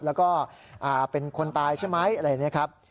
แล้วก็เป็นคนตายใช่ไหมอะไรอย่างนี้ครับ